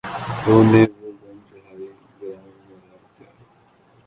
تو نے وہ گنج ہائے گراں مایہ کیا کیے